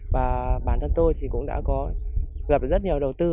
và bản thân tôi thì cũng đã gặp rất nhiều đầu tư